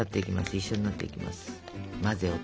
一緒になっていきます。